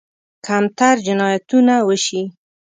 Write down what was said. کمتر جنایتونه وشي.